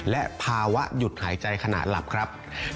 และภาวะหยุดหายใจขณะหลับครับ